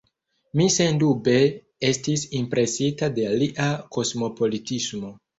Mi sendube estis impresita de lia kosmopolitismo.